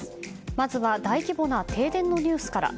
まずは大規模な停電のニュースから。